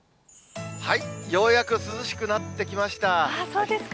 ようやく涼しくなってきましそうですか。